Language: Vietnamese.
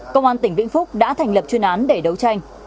công an tỉnh vĩnh phúc đã thành lập chuyên án để đấu tranh